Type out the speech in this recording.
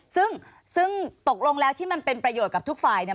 ซึ่งซึ่งตกลงแล้วที่มันเป็นประโยชน์กับทุกฝ่ายเนี่ย